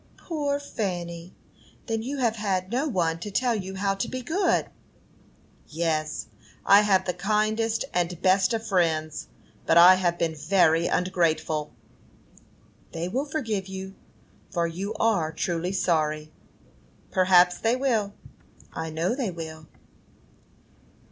"Poor Fanny! Then you have had no one to tell you how to be good." "Yes, I have the kindest and best of friends; but I have been very ungrateful." "They will forgive you, for you are truly sorry." "Perhaps they will." "I know they will."